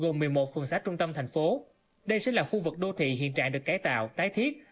gồm một mươi một phường xá trung tâm thành phố đây sẽ là khu vực đô thị hiện trạng được cải tạo tái thiết